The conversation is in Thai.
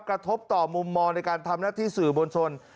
กระทบต่อมุมมองในการทำหน้าที่สื่อมวลชน